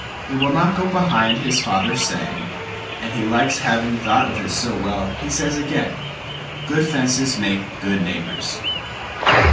He will not go behind his father's saying, And he likes having thought of it so wellHe says again, "Good fences make good neighbors."